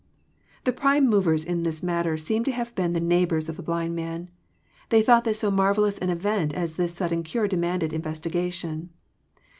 '] The prime movers la this matter seem to have been the neighbours of the blind man. They thought that so marvellous an event as this sudden cure demanded investigation.